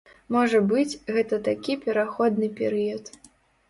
Можа быць, гэта такі пераходны перыяд.